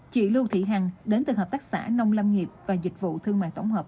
chị lưu thị hằng đến từ hợp tác xã nông lâm nghiệp và dịch vụ thương mại tổng hợp